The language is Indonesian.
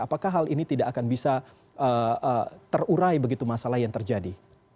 apakah hal ini tidak akan bisa terurai begitu masalah yang terjadi